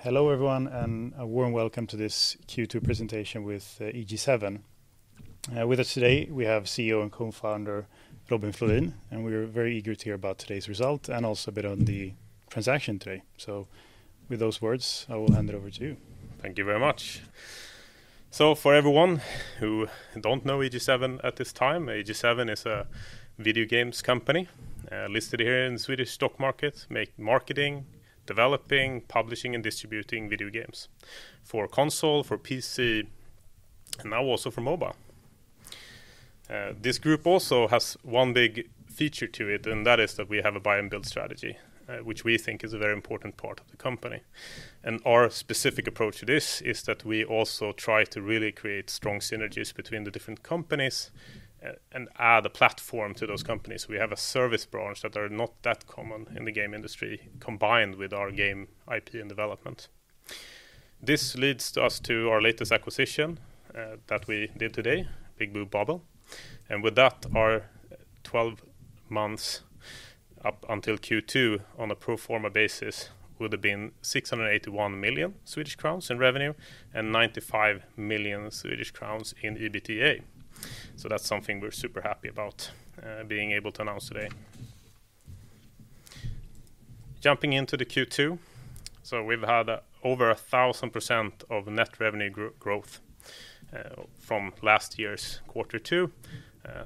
Hello, everyone, and a warm welcome to this Q2 presentation with EG7. With us today, we have CEO and Co-founder Robin Flodin, we are very eager to hear about today's result and also a bit on the transaction today. With those words, I will hand it over to you. Thank you very much. For everyone who don't know EG7 at this time, EG7 is a video games company listed here in Swedish stock market, make marketing, developing, publishing, and distributing video games for console, for PC, and now also for mobile. This group also has one big feature to it, that is that we have a buy and build strategy, which we think is a very important part of the company. Our specific approach to this is that we also try to really create strong synergies between the different companies and add a platform to those companies. We have a service branch that are not that common in the game industry, combined with our game IP and development. This leads us to our latest acquisition that we did today, Big Blue Bubble. With that, our 12 months up until Q2 on a pro forma basis would have been 681 million Swedish crowns in revenue and 95 million Swedish crowns in EBITDA. That's something we're super happy about being able to announce today. Jumping into the Q2. We've had over 1,000% of net revenue growth from last year's quarter two.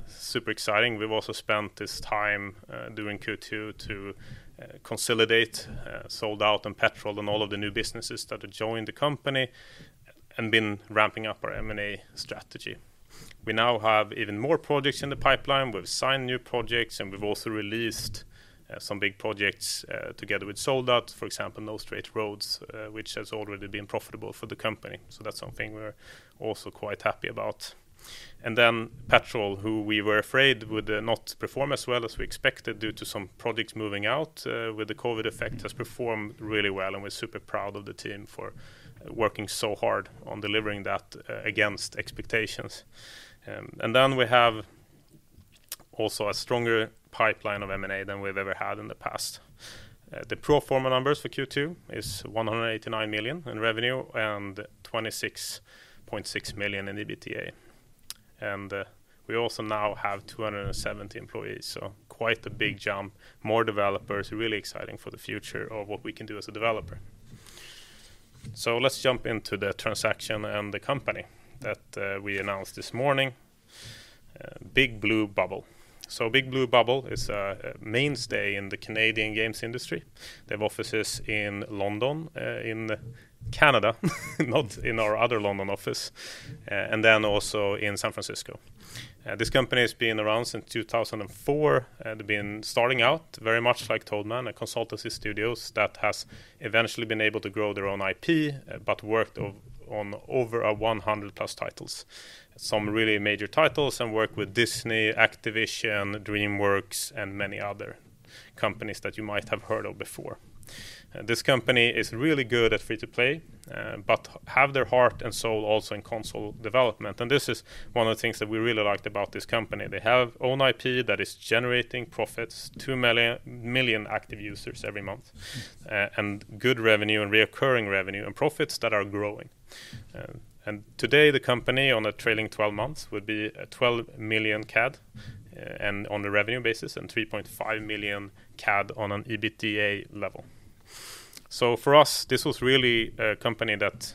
Super exciting. We've also spent this time doing Q2 to consolidate Sold Out and Petrol and all of the new businesses that have joined the company and been ramping up our M&A strategy. We now have even more projects in the pipeline. We've signed new projects, and we've also released some big projects together with Sold Out, for example, No Straight Roads, which has already been profitable for the company. That's something we're also quite happy about. Petrol, who we were afraid would not perform as well as we expected due to some projects moving out with the COVID effect, has performed really well, and we're super proud of the team for working so hard on delivering that against expectations. We have also a stronger pipeline of M&A than we've ever had in the past. The pro forma numbers for Q2 is 189 million in revenue and 26.6 million in EBITDA. We also now have 270 employees, quite a big jump. More developers. Really exciting for the future of what we can do as a developer. Let's jump into the transaction and the company that we announced this morning, Big Blue Bubble. Big Blue Bubble is a mainstay in the Canadian games industry. They have offices in London, in Canada, not in our other London office, and then also in San Francisco. This company has been around since 2004 and been starting out very much like Toadman, a consultancy studios that has eventually been able to grow their own IP, but worked on over 100 plus titles, some really major titles, and work with Disney, Activision, DreamWorks, and many other companies that you might have heard of before. This company is really good at free-to-play, but have their heart and soul also in console development. This is one of the things that we really liked about this company. They have own IP that is generating profits, 2 million active users every month, and good revenue and reoccurring revenue and profits that are growing. Today, the company on a trailing 12 months would be 12 million CAD on a revenue basis and 3.5 million CAD on an EBITDA level. For us, this was really a company that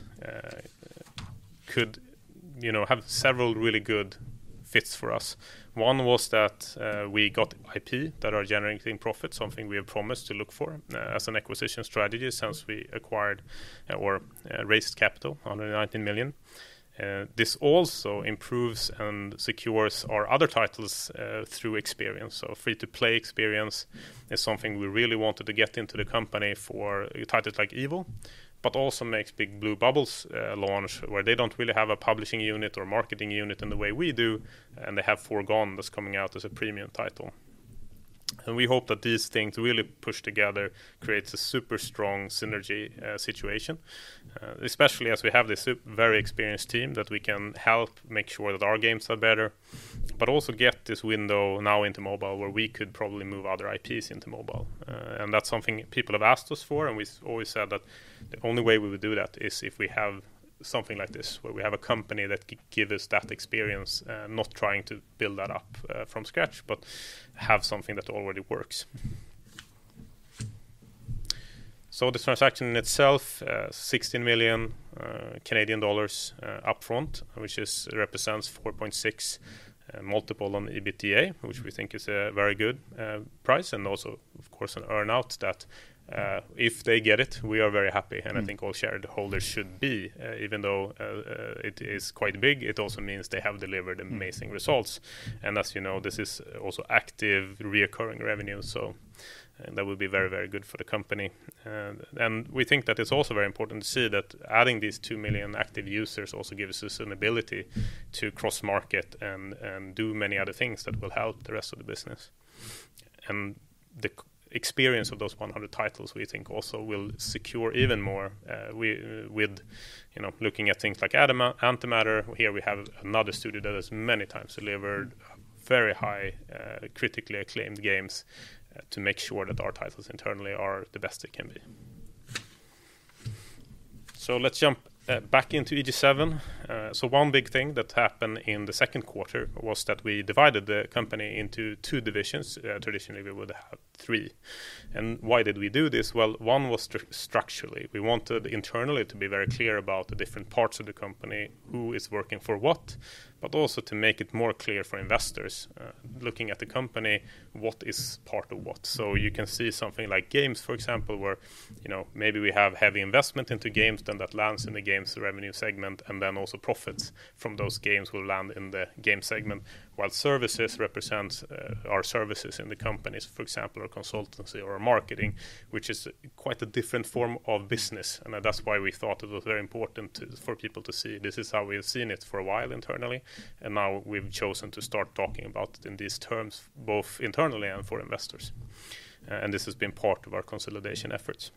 could have several really good fits for us. One was that we got IP that are generating profit, something we have promised to look for as an acquisition strategy since we acquired or raised capital, 119 million. This also improves and secures our other titles through experience. Free-to-play experience is something we really wanted to get into the company for titles like EVIL, but also makes Big Blue Bubble's launch where they don't really have a publishing unit or marketing unit in the way we do, and they have Foregone this coming out as a premium title. We hope that these things really push together, creates a super strong synergy situation, especially as we have this very experienced team that we can help make sure that our games are better, but also get this window now into mobile where we could probably move other IPs into mobile. That's something people have asked us for, and we always said that the only way we would do that is if we have something like this, where we have a company that could give us that experience, not trying to build that up from scratch, but have something that already works. The transaction in itself, 16 million Canadian dollars up front, which represents 4.6x multiple on EBITDA, which we think is a very good price, and also, of course, an earn-out that if they get it, we are very happy, and I think all shareholders should be. Even though it is quite big, it also means they have delivered amazing results. As you know, this is also active reoccurring revenue, so that will be very good for the company. We think that it's also very important to see that adding these 2 million active users also gives us an ability to cross-market and do many other things that will help the rest of the business. The experience of those 100 titles, we think also will secure even more with looking at things like Antimatter. Here we have another studio that has many times delivered very high critically acclaimed games to make sure that our titles internally are the best they can be. Let's jump back into EG7. One big thing that happened in the second quarter was that we divided the company into two divisions. Traditionally, we would have three. Why did we do this? Well, one was structurally, we wanted internally to be very clear about the different parts of the company, who is working for what, but also to make it more clear for investors, looking at the company, what is part of what. You can see something like games, for example, where maybe we have heavy investment into games, then that lands in the games revenue segment, then also profits from those games will land in the game segment, while services represents our services in the companies, for example, our consultancy or our marketing, which is quite a different form of business. That's why we thought it was very important for people to see this is how we have seen it for a while internally. Now we've chosen to start talking about it in these terms, both internally and for investors. This has been part of our consolidation efforts.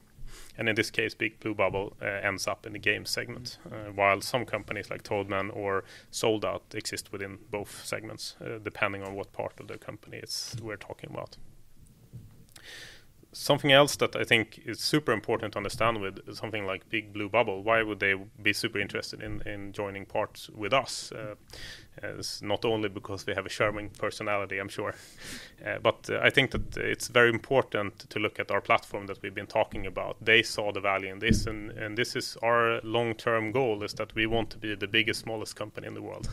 In this case, Big Blue Bubble ends up in the game segment, while some companies, like Toadman or Sold Out, exist within both segments, depending on what part of the company we're talking about. Something else that I think is super important to understand with something like Big Blue Bubble, why would they be super interested in joining parts with us? It's not only because they have a charming personality, I'm sure. I think that it's very important to look at our platform that we've been talking about. They saw the value in this. This is our long-term goal is that we want to be the biggest smallest company in the world.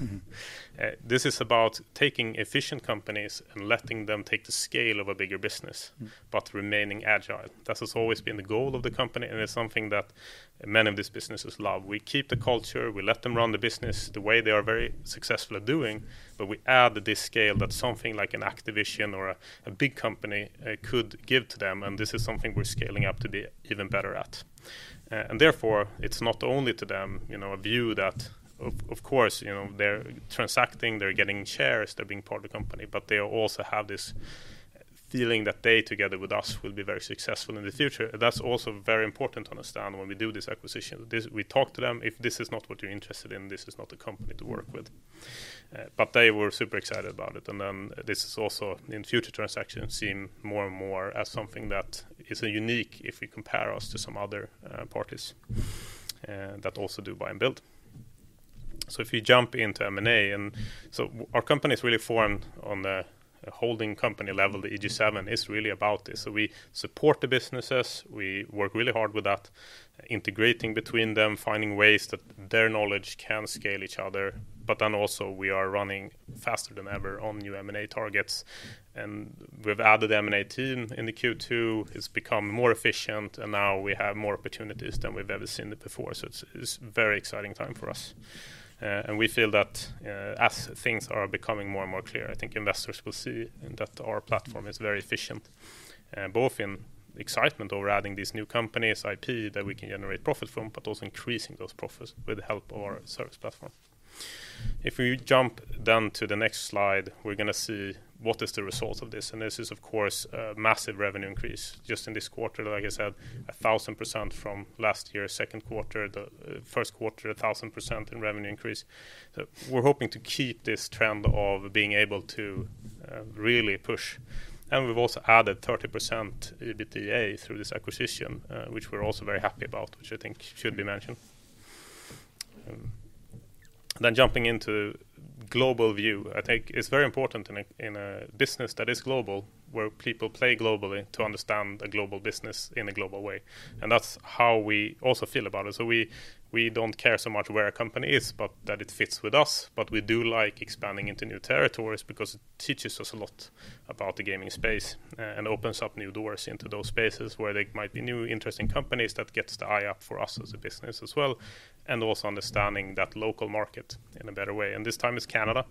This is about taking efficient companies and letting them take the scale of a bigger business- remaining agile. That has always been the goal of the company. It's something that many of these businesses love. We keep the culture, we let them run the business the way they are very successful at doing. We add this scale that something like an Activision or a big company could give to them. This is something we're scaling up to be even better at. It's not only to them, a view that, of course, they're transacting, they're getting shares, they're being part of the company. They also have this feeling that they, together with us, will be very successful in the future. That's also very important to understand when we do this acquisition. We talk to them, if this is not what you're interested in, this is not a company to work with. They were super excited about it. This is also in future transactions seem more and more as something that is unique if we compare us to some other parties that also do buy and build. If you jump into M&A, our company is really formed on the holding company level. The EG7 is really about this. We support the businesses, we work really hard with that, integrating between them, finding ways that their knowledge can scale each other. We are running faster than ever on new M&A targets. We've added M&A team in the Q2. It's become more efficient. Now we have more opportunities than we've ever seen before. It's a very exciting time for us. We feel that as things are becoming more and more clear, I think investors will see that our platform is very efficient, both in excitement over adding these new companies, IP that we can generate profit from, but also increasing those profits with the help of our service platform. We jump down to the next slide, we're going to see what is the result of this. This is, of course, a massive revenue increase just in this quarter. Like I said, 1,000% from last year, second quarter, the first quarter, 1,000% in revenue increase. We're hoping to keep this trend of being able to really push. We've also added 30% EBITDA through this acquisition, which we're also very happy about, which I think should be mentioned. Jumping into global view, I think it's very important in a business that is global, where people play globally to understand a global business in a global way. That's how we also feel about it. We don't care so much where a company is, but that it fits with us. We do like expanding into new territories because it teaches us a lot about the gaming space and opens up new doors into those spaces where there might be new interesting companies that gets the eye up for us as a business as well, and also understanding that local market in a better way. This time it's Canada,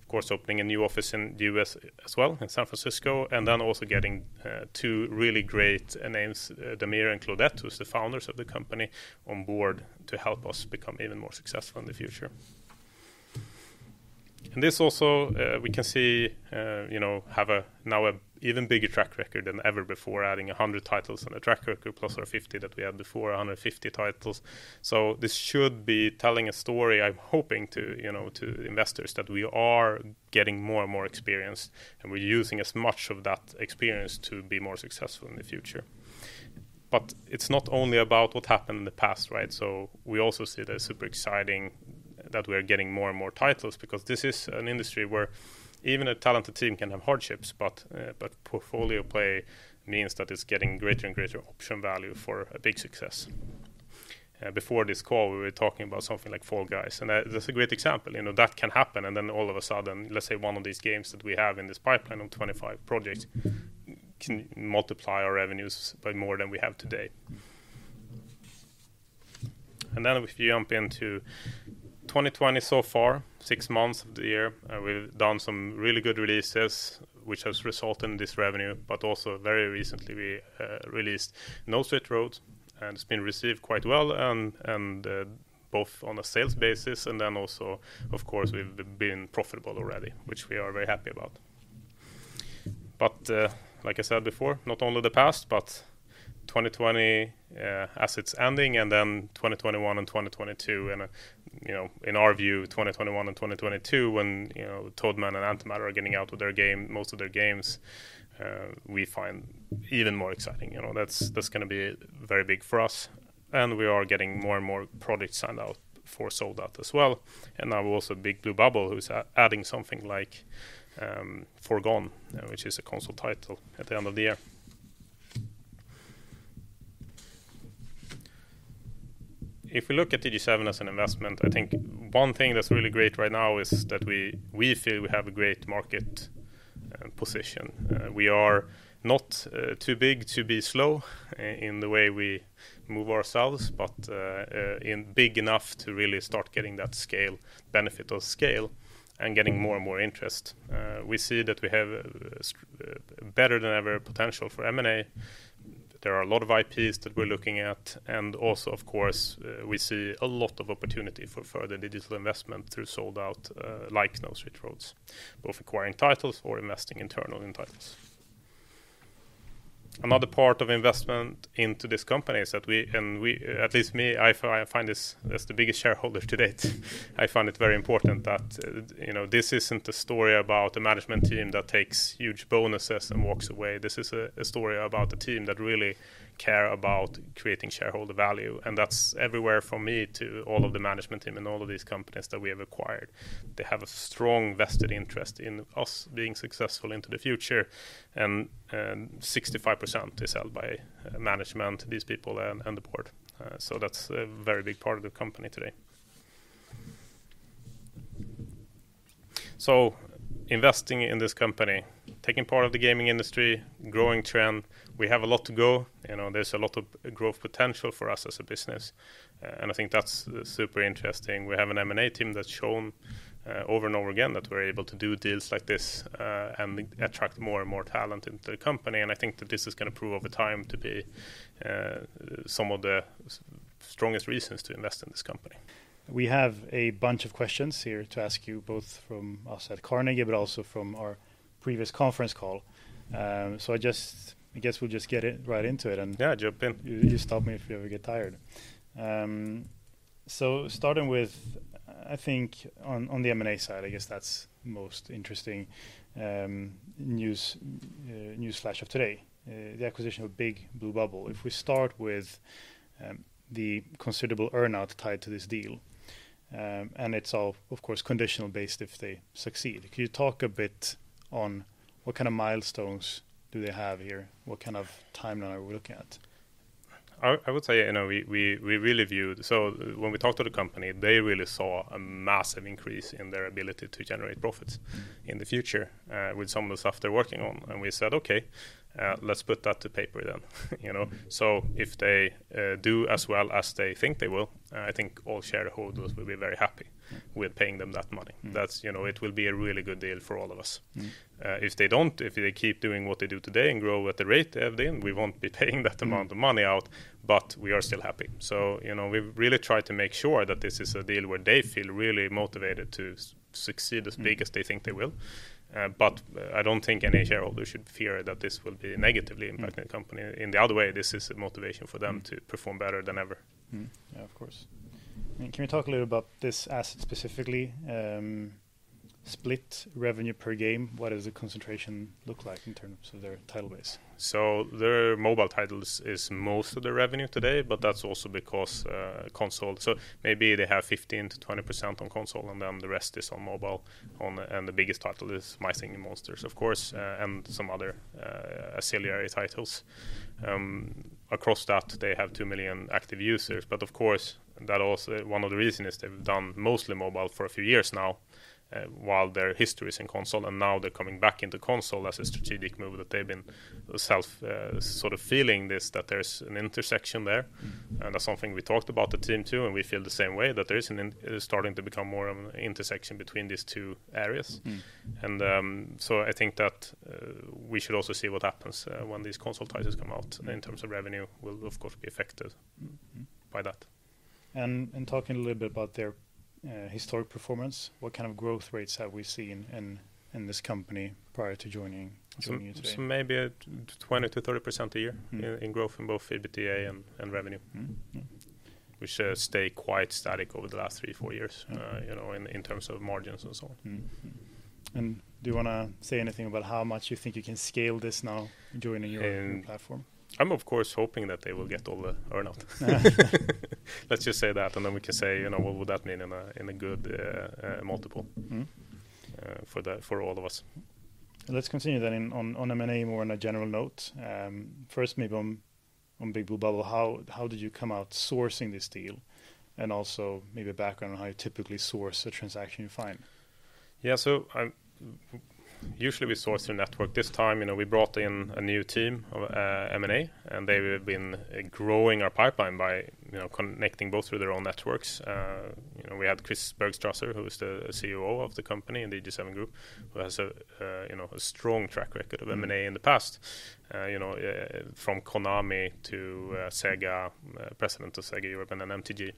of course, opening a new office in the U.S. as well, in San Francisco, and also getting two really great names, Damir and Claudette, who's the founders of the company, on board to help us become even more successful in the future. In this also, we can see, have now an even bigger track record than ever before, adding 100 titles on a track record plus our 50 that we had before, 150 titles. This should be telling a story, I'm hoping, to investors that we are getting more and more experienced, and we're using as much of that experience to be more successful in the future. It's not only about what happened in the past. We also see that it's super exciting that we are getting more and more titles because this is an industry where even a talented team can have hardships, but portfolio play means that it's getting greater and greater option value for a big success. Before this call, we were talking about something like Fall Guys, that's a great example. That can happen, all of a sudden, let's say one of these games that we have in this pipeline of 25 projects can multiply our revenues by more than we have today. If you jump into 2020 so far, six months of the year, we've done some really good releases which has resulted in this revenue. Also very recently, we released No Straight Roads, and it's been received quite well. Both on a sales basis and also, of course, we've been profitable already, which we are very happy about. Like I said before, not only the past, but 2020 as it's ending, 2021 and 2022. In our view, 2021 and 2022, when Toadman and Antimatter are getting out with most of their games, we find even more exciting. That's going to be very big for us. We are getting more and more products signed out for Sold Out as well. Now also Big Blue Bubble, who's adding something like Foregone, which is a console title at the end of the year. If we look at EG7 as an investment, I think one thing that's really great right now is that we feel we have a great market position. We are not too big to be slow in the way we move ourselves, but big enough to really start getting that benefit of scale and getting more and more interest. We see that we have better-than-ever potential for M&A. There are a lot of IPs that we're looking at, also, of course, we see a lot of opportunity for further digital investment through Sold Out, like No Straight Roads, both acquiring titles or investing internal in titles. Another part of investment into this company is that we, at least me, as the biggest shareholder to date, I find it very important that this isn't a story about a management team that takes huge bonuses and walks away. This is a story about a team that really care about creating shareholder value. That's everywhere from me to all of the management team and all of these companies that we have acquired. They have a strong vested interest in us being successful into the future. 65% is held by management, these people, and the board. That's a very big part of the company today. Investing in this company, taking part of the gaming industry, growing trend, we have a lot to go. There's a lot of growth potential for us as a business. I think that's super interesting. We have an M&A team that's shown over and over again that we're able to do deals like this and attract more and more talent into the company. I think that this is going to prove over time to be some of the strongest reasons to invest in this company. We have a bunch of questions here to ask you, both from us at Carnegie, but also from our previous conference call. I guess we'll just get right into it. Yeah, jump in. You just stop me if you ever get tired. Starting with, I think on the M&A side, I guess that's most interesting newsflash of today, the acquisition of Big Blue Bubble. If we start with the considerable earn-out tied to this deal, and it's all, of course, conditional based if they succeed. Can you talk a bit on what kind of milestones do they have here? What kind of timeline are we looking at? I would say, when we talked to the company, they really saw a massive increase in their ability to generate profits in the future with some of the stuff they're working on. We said, "Okay, let's put that to paper then." If they do as well as they think they will, I think all shareholders will be very happy with paying them that money. It will be a really good deal for all of us. If they don't, if they keep doing what they do today and grow at the rate they have been, we won't be paying that amount of money out, but we are still happy. We've really tried to make sure that this is a deal where they feel really motivated to succeed as big as they think they will. I don't think any shareholder should fear that this will be negatively impact the company. In the other way, this is a motivation for them to perform better than ever. Mm-hmm. Yeah, of course. Can we talk a little about this asset specifically, split revenue per game? What does the concentration look like in terms of their title base? Their mobile titles is most of their revenue today, but that's also because console. Maybe they have 15%-20% on console, then the rest is on mobile. The biggest title is "My Singing Monsters," of course, and some other auxiliary titles. Across that, they have 2 million active users. But of course, one of the reason is they've done mostly mobile for a few years now, while their history is in console, and now they're coming back into console as a strategic move that they've been self sort of feeling this, that there's an intersection there. That's something we talked about the team too, and we feel the same way, that it is starting to become more of an intersection between these two areas. I think that we should also see what happens when these console titles come out in terms of revenue will, of course, be affected by that. Talking a little bit about their historic performance, what kind of growth rates have we seen in this company prior to joining you today? Maybe at 20%-30% a year in growth in both EBITDA and revenue, which stay quite static over the last three, four years in terms of margins and so on. Do you want to say anything about how much you think you can scale this now joining your own platform? I'm, of course, hoping that they will get all the earn-out. Let's just say that, then we can say, what would that mean in a good multiple. for all of us. Let's continue on M&A, more on a general note. First maybe on Big Blue Bubble, how did you come sourcing this deal? Also maybe background on how you typically source a transaction you find Yeah. Usually we source the network. This time, we brought in a new team of M&A, and they have been growing our pipeline by connecting both through their own networks. We have Chris Bergstrasser, who is the COO of the company in the EG7 Group, who has a strong track record of M&A in the past. From Konami to Sega, president of Sega Europe MTG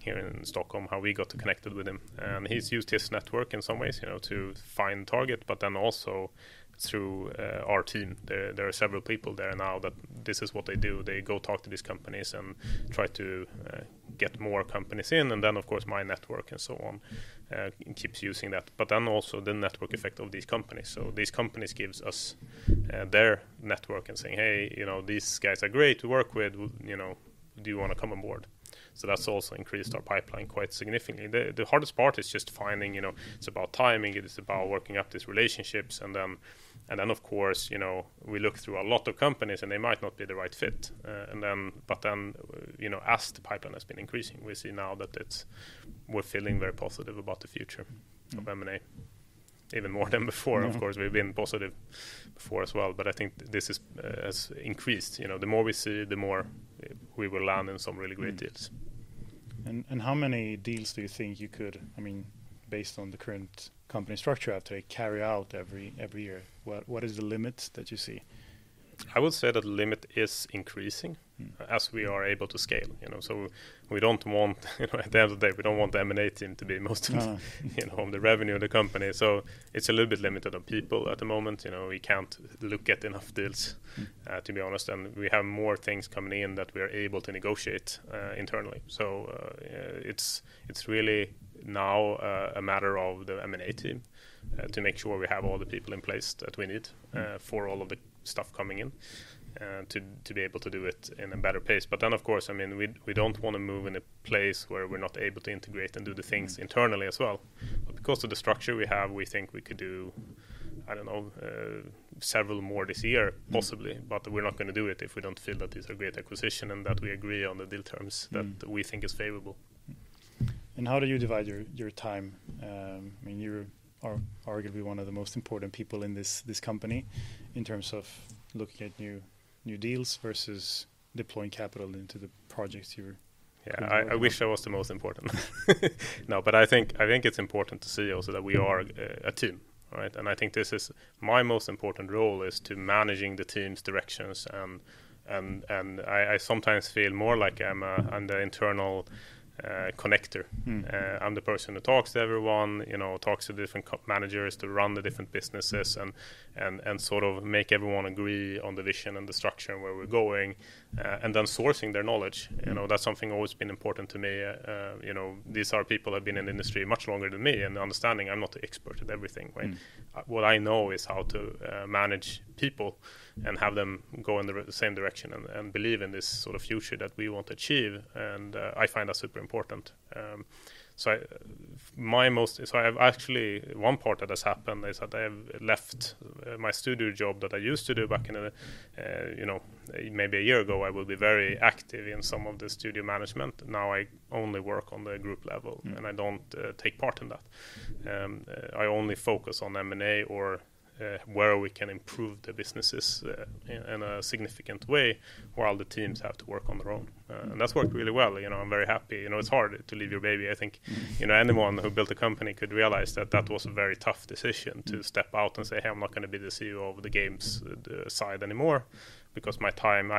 here in Stockholm, how we got connected with him. He's used his network in some ways to find target, Also through our team. There are several people there now that this is what they do. They go talk to these companies and try to get more companies in, Of course my network and so on keeps using that. Also the network effect of these companies. These companies gives us their network and saying, "Hey, these guys are great to work with. Do you want to come aboard?" So that's also increased our pipeline quite significantly. The hardest part is just finding, it's about timing, it is about working up these relationships Of course, we look through a lot of companies, and they might not be the right fit. As the pipeline has been increasing, we see now that we're feeling very positive about the future of M&A. Even more than before. Of course, we've been positive before as well, but I think this has increased. The more we see, the more we will land in some really great deals. How many deals do you think you could, based on the current company structure you have today, carry out every year? What is the limit that you see? I would say that limit is increasing as we are able to scale. At the end of the day, we don't want the M&A team to be most of the revenue of the company. It's a little bit limited on people at the moment. We can't look at enough deals, to be honest, and we have more things coming in that we are able to negotiate internally. It's really now a matter of the M&A team to make sure we have all the people in place that we need for all of the stuff coming in, to be able to do it in a better pace. Of course, we don't want to move in a place where we're not able to integrate and do the things internally as well. Because of the structure we have, we think we could do, I don't know, several more this year possibly, but we're not going to do it if we don't feel that it's a great acquisition and that we agree on the deal terms that we think is favorable. How do you divide your time? You're arguably one of the most important people in this company in terms of looking at new deals versus deploying capital into the projects. Yeah. I wish I was the most important. I think it's important to see also that we are a team. Right? I think this is my most important role is to managing the team's directions, and I sometimes feel more like I'm the internal connector. I'm the person that talks to everyone, talks to different co-managers that run the different businesses and sort of make everyone agree on the vision and the structure and where we're going, and then sourcing their knowledge. That's something always been important to me. These are people that have been in the industry much longer than me, and understanding I'm not the expert at everything, right? What I know is how to manage people and have them go in the same direction and believe in this sort of future that we want to achieve, and I find that super important. Actually, one part that has happened is that I have left my studio job that I used to do back in, maybe a year ago, I will be very active in some of the studio management. Now I only work on the group level. I don't take part in that. I only focus on M&A or where we can improve the businesses in a significant way, while the teams have to work on their own. That's worked really well. I'm very happy. It's hard to leave your baby. I think anyone who built a company could realize that that was a very tough decision to step out and say, "Hey, I'm not going to be the CEO of the games side anymore because I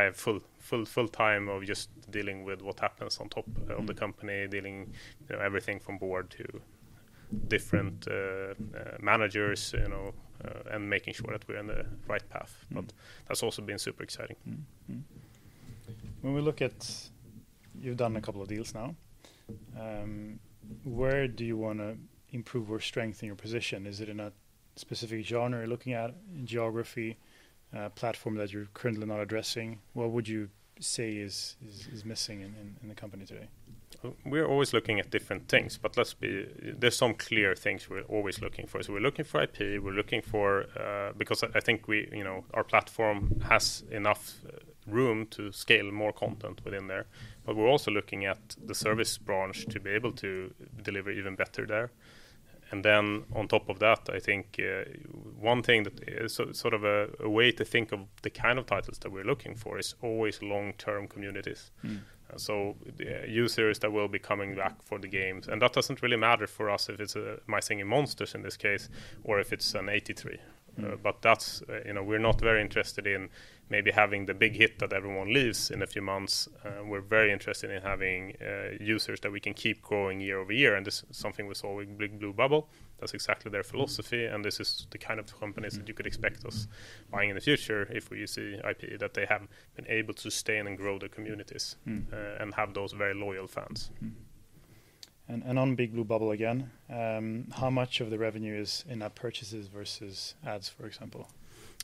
have full time of just dealing with what happens on top of the company, dealing everything from board to different managers, and making sure that we're on the right path. That's also been super exciting. When we look at, you've done a couple of deals now. Where do you want to improve or strengthen your position? Is it in a specific genre you're looking at, in geography, a platform that you're currently not addressing? What would you say is missing in the company today? We're always looking at different things, there's some clear things we're always looking for. We're looking for IP. I think our platform has enough room to scale more content within there, we're also looking at the service branch to be able to deliver even better there. Then on top of that, I think one thing that is sort of a way to think of the kind of titles that we're looking for is always long-term communities. Users that will be coming back for the games. That doesn't really matter for us if it's My Singing Monsters in this case, or if it's an '83. We're not very interested in maybe having the big hit that everyone leaves in a few months. We're very interested in having users that we can keep growing year-over-year, this is something we saw with Big Blue Bubble. That's exactly their philosophy, this is the kind of companies that you could expect us buying in the future if we see IP that they have been able to sustain and grow the communities- Have those very loyal fans. Mm-hmm. On Big Blue Bubble again, how much of the revenue is in-app purchases versus ads, for example?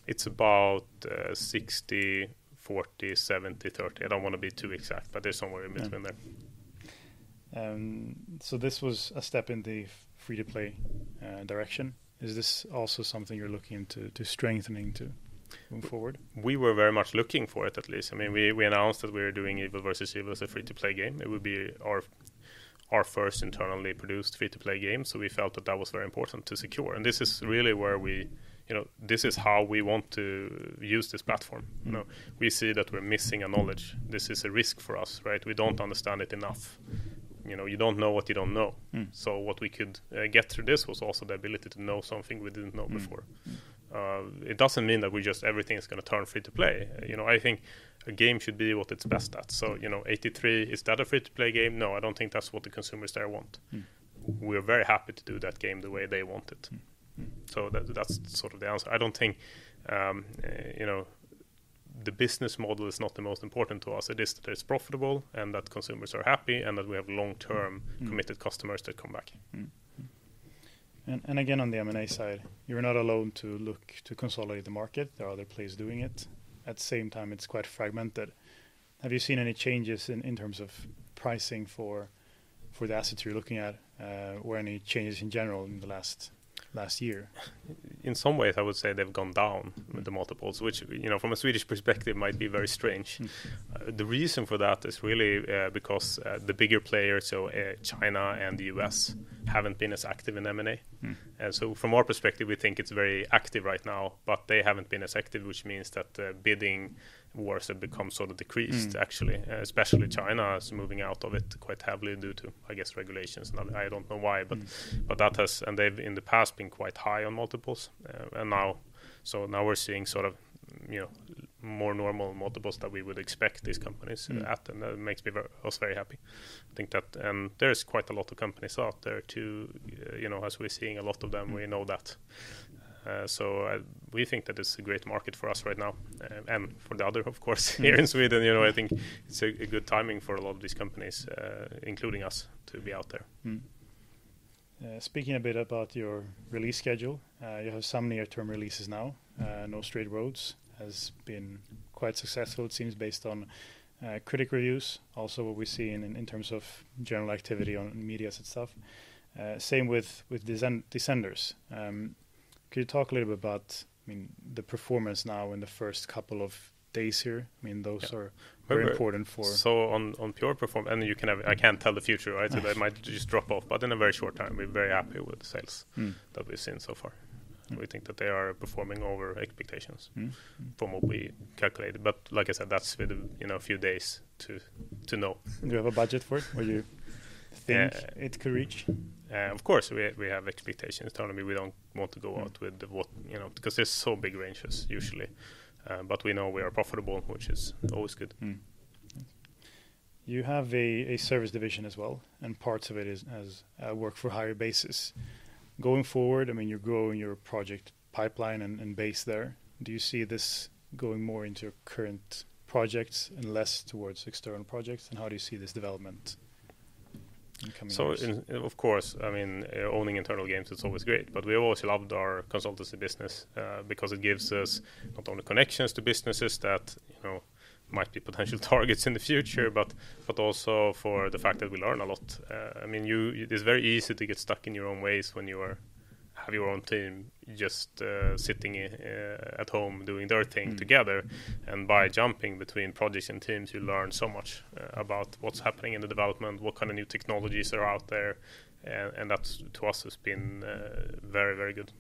It's about 60/40, 70/30. I don't want to be too exact, but they're somewhere in between there. This was a step in the free-to-play direction. Is this also something you're looking to strengthening to move forward? We were very much looking for it, at least. We announced that we were doing Evil vs. Evil as a free-to-play game. It would be our first internally produced free-to-play game, so we felt that that was very important to secure. This is how we want to use this platform. We see that we're missing a knowledge. This is a risk for us. We don't understand it enough. You don't know what you don't know. What we could get through this was also the ability to know something we didn't know before. It doesn't mean that just everything is going to turn free-to-play. I think a game should be what it's best at. '83," is that a free-to-play game? No, I don't think that's what the consumers there want. We are very happy to do that game the way they want it. That's sort of the answer. The business model is not the most important to us. It is that it's profitable, and that consumers are happy. committed customers that come back. Mm-hmm. Again, on the M&A side, you're not alone to look to consolidate the market. There are other players doing it. At the same time, it's quite fragmented. Have you seen any changes in terms of pricing for the assets you're looking at? Or any changes in general in the last year? In some ways, I would say they've gone down with the multiples, which from a Swedish perspective might be very strange. The reason for that is really because the bigger players, so China and the U.S., haven't been as active in M&A. From our perspective, we think it's very active right now, but they haven't been as active, which means that the bidding wars have become sort of decreased, actually. Especially China is moving out of it quite heavily due to, I guess, regulations. I don't know why. They've in the past been quite high on multiples. Now we're seeing more normal multiples that we would expect these companies at. That makes us very happy. I think that there is quite a lot of companies out there, too, as we're seeing a lot of them. We know that. We think that it's a great market for us right now, and for the other, of course, here in Sweden. I think it's a good timing for a lot of these companies, including us, to be out there. Speaking a bit about your release schedule. You have some near-term releases now. "No Straight Roads" has been quite successful, it seems, based on critic reviews. Also what we see in terms of general activity on medias and stuff. Same with "Descenders." Could you talk a little bit about the performance now in the first couple of days here? Those are- Yeah very important for- On pure and I can't tell the future, right? Right. It might just drop off. In a very short time, we're very happy with the sales- that we've seen so far. We think that they are performing over expectations. from what we calculated. like I said, that's with a few days to know. Do you have a budget for it? Or you? Yeah think it could reach? Of course, we have expectations. Tell me, we don't want to go out with the because there's so big ranges usually. We know we are profitable, which is always good. You have a service division as well, parts of it is as a work for hire basis. Going forward, you're growing your project pipeline and base there. Do you see this going more into current projects and less towards external projects? How do you see this development in coming years? Of course. Owning internal games is always great, we have always loved our consultancy business, because it gives us not only connections to businesses that might be potential targets in the future, but also for the fact that we learn a lot. It's very easy to get stuck in your own ways when you have your own team just sitting at home doing their thing together. By jumping between projects and teams, you learn so much about what's happening in the development, what kind of new technologies are out there, and that to us has been very, very good.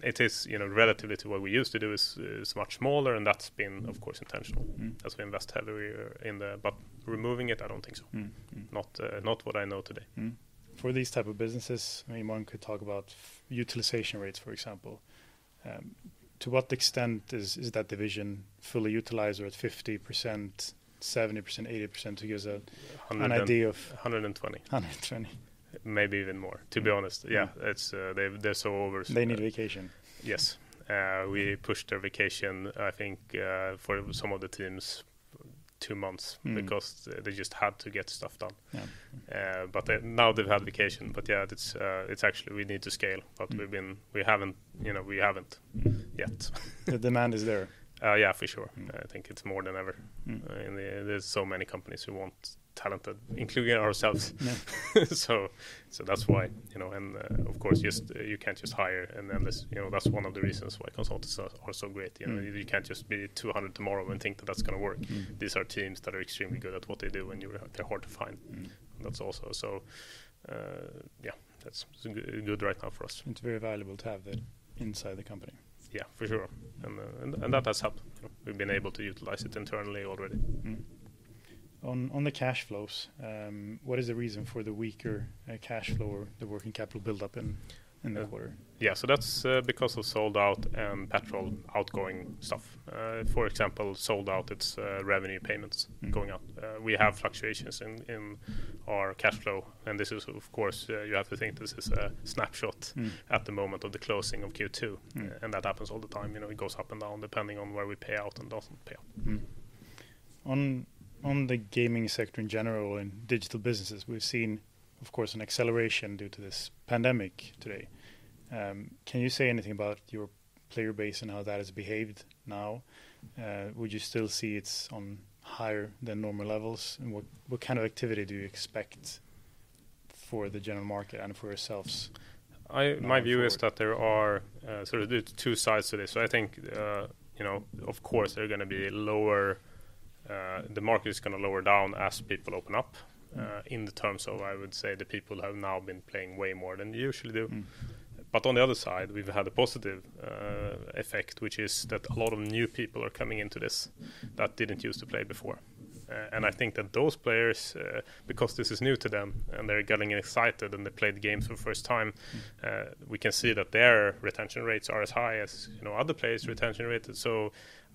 It is relatively to what we used to do is much smaller, and that's been, of course, intentional- as we invest heavily in there, but removing it, I don't think so. Not what I know today. For these type of businesses, one could talk about utilization rates, for example. To what extent is that division fully utilized, or at 50%, 70%, 80% to give a 120 an idea of 120 120. Maybe even more, to be honest. Yeah. They're so over They need vacation. Yes. We pushed their vacation, I think, for some of the teams, two months- because they just had to get stuff done. Yeah. Now they've had vacation. Yeah, it's actually we need to scale. We haven't yet. The demand is there. Yeah, for sure. I think it's more than ever. There's so many companies who want talent, including ourselves. Yeah. That's why. Of course, you can't just hire, and that's one of the reasons why consultants are so great. You can't just be 200 tomorrow and think that that's going to work. These are teams that are extremely good at what they do, and they're hard to find. That's also. Yeah. That's good right now for us. It's very valuable to have that inside the company. Yeah, for sure. That has helped. We've been able to utilize it internally already. On the cash flows, what is the reason for the weaker cash flow or the working capital buildup in the quarter? Yeah. That's because of Sold Out and Petrol outgoing stuff. For example, Sold Out, it's revenue payments going out. We have fluctuations in our cash flow, this is, of course, you have to think this is a snapshot. At the moment of the closing of Q2. That happens all the time. It goes up and down, depending on where we pay out and doesn't pay out. On the gaming sector in general and digital businesses, we've seen, of course, an acceleration due to this pandemic today. Can you say anything about your player base and how that has behaved now? Would you still see it's on higher than normal levels? What kind of activity do you expect for the general market and for yourselves going forward My view is that there are two sides to this. I think of course the market is going to lower down as people open up in the terms of, I would say, the people have now been playing way more than they usually do. On the other side, we've had a positive effect, which is that a lot of new people are coming into this that didn't use to play before. I think that those players, because this is new to them and they're getting excited and they play the game for the first time, we can see that their retention rates are as high as other players' retention rates.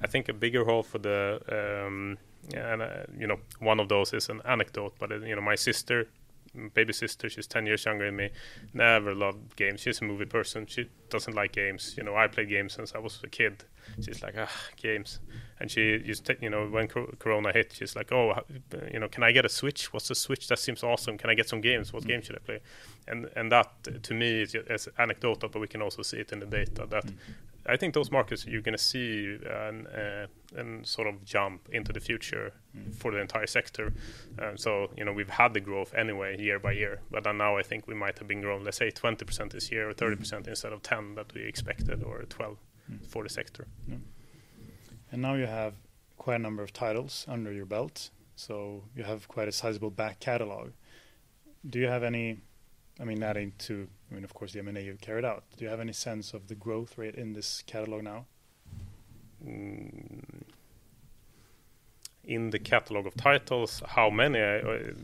I think a bigger role for the. One of those is an anecdote. My baby sister, she's 10 years younger than me, never loved games. She's a movie person. She doesn't like games. I play games since I was a kid. She's like, "Ugh, games." When COVID hit, she's like, "Oh, can I get a Switch? What's a Switch? That seems awesome. Can I get some games? What game should I play?" That to me is anecdotal, but we can also see it in the data that I think those markets you're going to see and sort of jump into the future for the entire sector. We've had the growth anyway year by year. Now I think we might have been growing, let's say 10% this year or 30% instead of 10 that we expected or 12 for the sector. Now you have quite a number of titles under your belt, so you have quite a sizable back catalog. Adding to, of course, the M&A you've carried out, do you have any sense of the growth rate in this catalog now? In the catalog of titles? How many?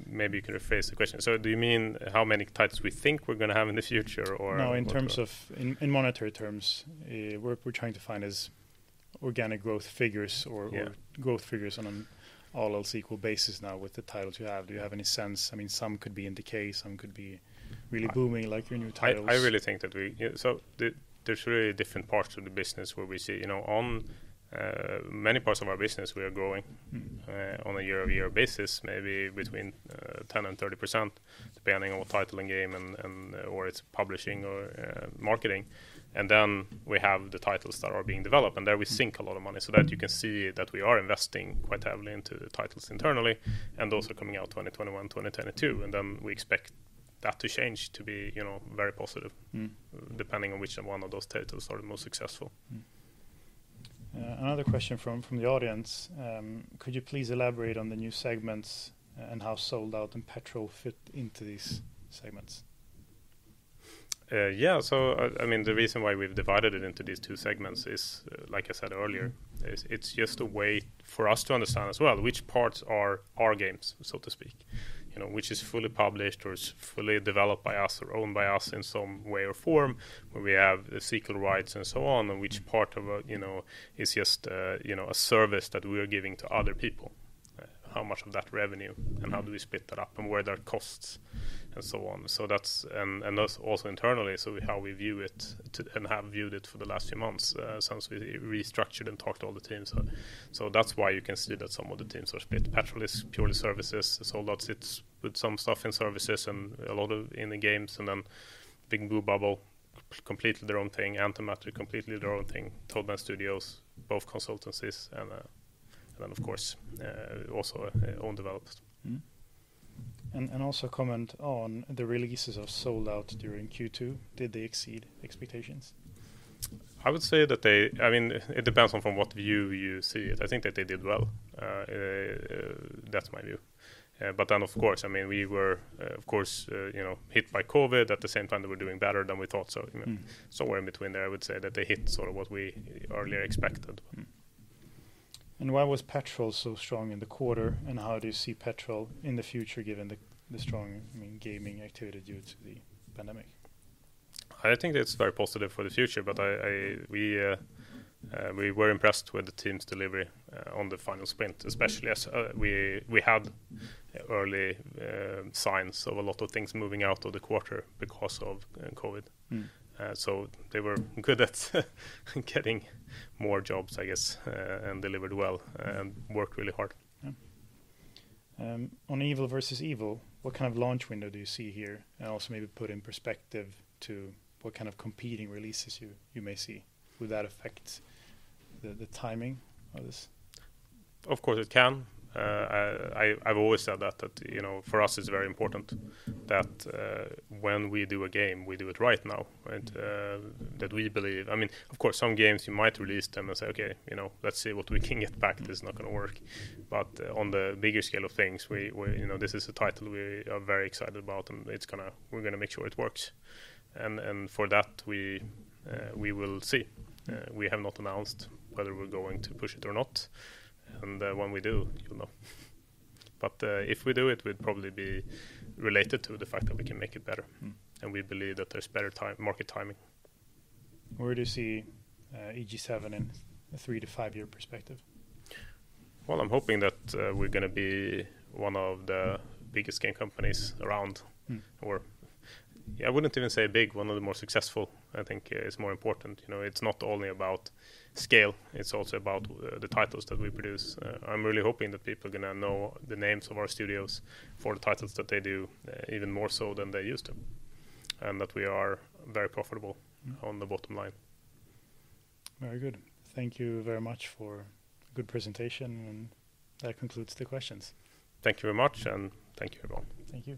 Maybe you could rephrase the question. Do you mean how many titles we think we're going to have in the future? No, in monetary terms, what we're trying to find is organic growth figures. Yeah growth figures on an all else equal basis now with the titles you have. Do you have any sense? Some could be in decay, some could be really booming, like your new titles. There's really different parts of the business where we see. On many parts of our business, we are growing on a year-over-year basis, maybe between 10% and 30%, depending on what title and game and where it's publishing or marketing. We have the titles that are being developed, there we sink a lot of money so that you can see that we are investing quite heavily into the titles internally, those are coming out 2021, 2022. We expect that to change to be very positive- depending on which one of those titles are the most successful. Another question from the audience. Could you please elaborate on the new segments and how Sold Out and Petrol fit into these segments? Yeah. The reason why we've divided it into these two segments is, like I said earlier, it's just a way for us to understand as well which parts are our games, so to speak. Which is fully published or is fully developed by us or owned by us in some way or form, where we have sequel rights and so on, and which part of it is just a service that we are giving to other people. How much of that revenue and how do we split that up and where there are costs and so on. That's also internally, so how we view it and have viewed it for the last few months, since we restructured and talked to all the teams. That's why you can see that some of the teams are split. Petrol is purely services. Sold Out sits with some stuff in services and a lot of in the games. Big Blue Bubble, completely their own thing. Antimatter, completely their own thing. Toadman Studios, both consultancies. Of course, also own developed. Comment on the releases of Sold Out during Q2. Did they exceed expectations? It depends on from what view you see it. I think that they did well. That's my view. Of course, we were hit by COVID. At the same time, we were doing better than we thought. Somewhere in between there, I would say that they hit sort of what we earlier expected. Why was Petrol so strong in the quarter, and how do you see Petrol in the future given the strong gaming activity due to the pandemic? I think it's very positive for the future, we were impressed with the team's delivery on the final sprint, especially as we had early signs of a lot of things moving out of the quarter because of COVID. They were good at getting more jobs, I guess, and delivered well and worked really hard. Yeah. On Evil vs Evil, what kind of launch window do you see here? Also maybe put in perspective to what kind of competing releases you may see. Will that affect the timing of this? Of course, it can. I've always said that for us it's very important that when we do a game, we do it right now. Of course, some games you might release them and say, "Okay, let's see what we can get back. This is not going to work." On the bigger scale of things, this is a title we are very excited about, and we're going to make sure it works. For that, we will see. We have not announced whether we're going to push it or not, and when we do, you'll know. If we do it, we'd probably be related to the fact that we can make it better. We believe that there's better market timing. Where do you see EG7 in a three to five-year perspective? Well, I'm hoping that we're going to be one of the biggest game companies around, or I wouldn't even say big. One of the more successful, I think, is more important. It's not only about scale, it's also about the titles that we produce. I'm really hoping that people are going to know the names of our studios for the titles that they do even more so than they used to, and that we are very profitable on the bottom line. Very good. Thank you very much for a good presentation. That concludes the questions. Thank you very much, and thank you, everyone. Thank you